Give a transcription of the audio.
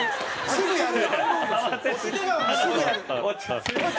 すぐやる。